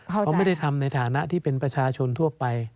เขาไม่ได้ทำในฐานะที่เป็นประชาชนทั่วไป